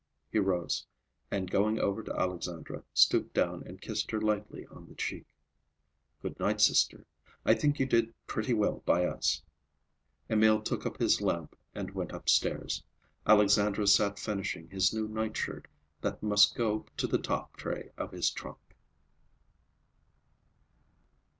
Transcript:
He rose, and going over to Alexandra stooped down and kissed her lightly on the cheek. "Good night, sister. I think you did pretty well by us." Emil took up his lamp and went upstairs. Alexandra sat finishing his new nightshirt, that must go in the top tray of his trunk.